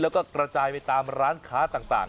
เขาจะจ่ายไปตามร้านค้าต่าง